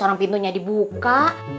orang pintunya dibuka